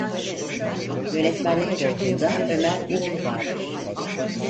Yönetmenlik koltuğunda Ömer Uğur vardır.